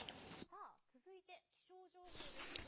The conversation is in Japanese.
さあ続いて気象情報です。